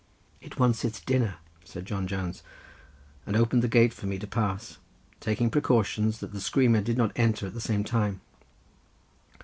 "It wants its dinner," said John Jones, and opened the gate for me to pass, taking precautions that the screamer did not enter at the same time.